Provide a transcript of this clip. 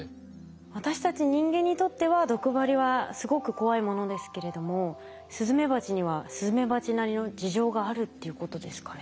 私たち人間にとっては毒針はすごく怖いものですけれどもスズメバチにはスズメバチなりの事情があるっていうことですかね？